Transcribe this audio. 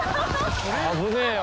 危ねぇよ。